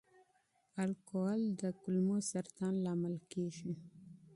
الکول د کولمو سرطان سبب کېږي.